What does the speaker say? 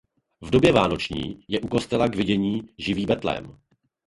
V době vánoční je u kostela k vidění živý betlém.